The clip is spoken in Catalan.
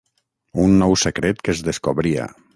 Un nou secret que es descobria.